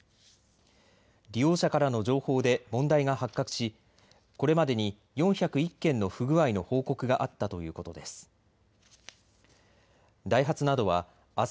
利用者からの情報で問題が発覚しこれまでに４０１件の不具合の報告があったということです。